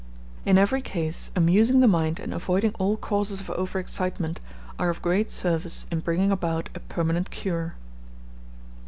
] In every case, amusing the mind, and avoiding all causes of over excitement, are of great service in bringing about a permanent cure.